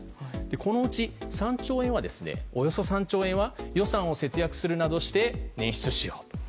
このうちおよそ３兆円は予算を節約するなどして捻出しよう。